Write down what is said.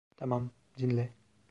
Tamam, dinle.